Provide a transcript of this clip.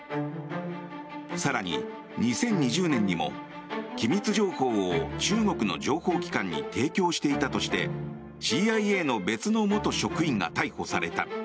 更に、２０２０年にも機密情報を中国の情報機関に提供していたとしてＣＩＡの別の元職員が逮捕された。